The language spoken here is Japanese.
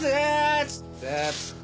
っつって。